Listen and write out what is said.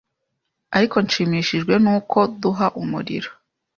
Ariko nshimishijwe nuko duha umurimo